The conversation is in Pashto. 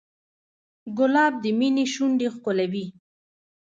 ګلاب د مینې شونډې ښکلوي.